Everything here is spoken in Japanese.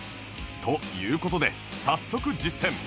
という事で早速実践